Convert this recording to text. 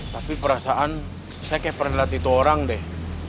tapi perasaan saya kayak pernah lihat itu orang deh